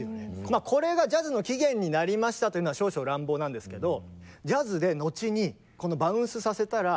まあこれがジャズの起源になりましたというのは少々乱暴なんですけど。